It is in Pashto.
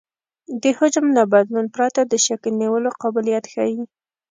د حجم له بدلون پرته د شکل نیولو قابلیت ښیي